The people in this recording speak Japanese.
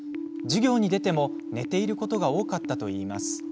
授業に出ても、寝ていることが多かったといいます。